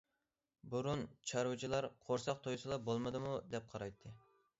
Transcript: بۇرۇن چارۋىچىلار قورساق تويسىلا بولمىدىمۇ، دەپ قارايتتى.